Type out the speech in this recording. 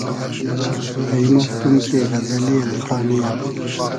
پݷمۉفتوم کی غئزئلی اېلخانی یۂ